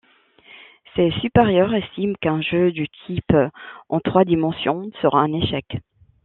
Ses supérieurs estiment qu'un jeu du type ' en trois dimensions sera un échec.